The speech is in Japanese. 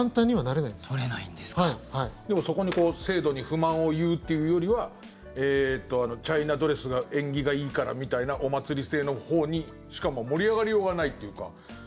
でもそこに制度に不満を言うっていうよりはチャイナドレスが演技がいいからみたいなお祭り性のほうにしかも盛り上がりようがないというか。